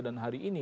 dan hari ini